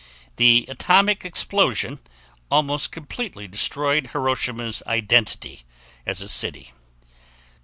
The atomic explosion almost completely destroyed Hiroshima's identity as a city.